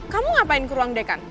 kamu ngapain ke ruang dekan